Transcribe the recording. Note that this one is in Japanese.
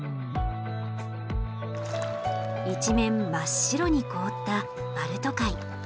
一面真っ白に凍ったバルト海。